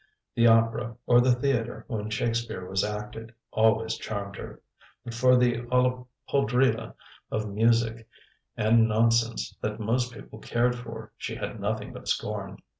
The opera, or the theatre when Shakespeare was acted, always charmed her, but for the olla podrida of music and nonsense that most people cared for she had nothing but scorn.